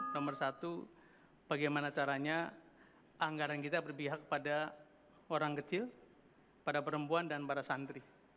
nomor satu bagaimana caranya anggaran kita berpihak kepada orang kecil pada perempuan dan para santri